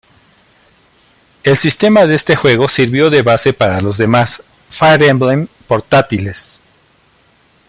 El sistema de este juego sirvió de base para los demás "Fire Emblem" portátiles.